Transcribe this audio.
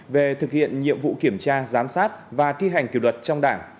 về thực hiện nhiệm vụ kiểm tra giám sát và thi hành kỷ luật trong đảng